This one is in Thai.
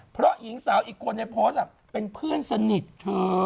เพราะหญิงสาวอีกคนในโพสต์เป็นเพื่อนสนิทเธอ